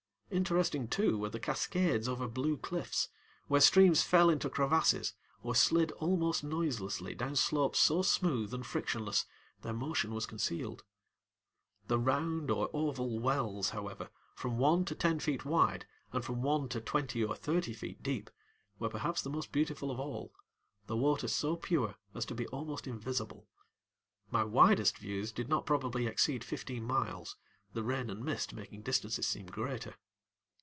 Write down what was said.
Interesting, too, were the cascades over blue cliffs, where streams fell into crevasses or slid almost noiselessly down slopes so smooth and frictionless their motion was concealed. The round or oval wells, however, from one to ten feet wide, and from one to twenty or thirty feet deep, were perhaps the most beautiful of all, the water so pure as to be almost invisible. My widest views did not probably exceed fifteen miles, the rain and mist making distances seem greater.